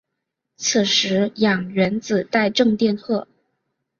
此时氧原子带正电荷。